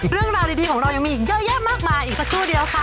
เรื่องราวดีของเรายังมีอีกเยอะแยะมากมายอีกสักครู่เดียวค่ะ